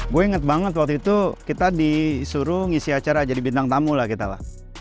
gue inget banget waktu itu kita disuruh ngisi acara jadi bintang tamu lah kita lah